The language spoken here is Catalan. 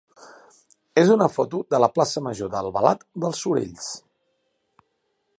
és una foto de la plaça major d'Albalat dels Sorells.